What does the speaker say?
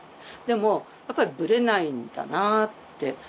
でもやっぱりブレないんだなってもう。